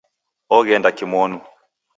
Ogh'ende kimonu